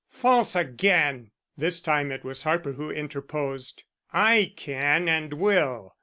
"False again!" This time it was Harper who interposed. "I can and will.